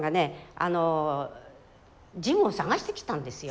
あのジムを探してきたんですよ。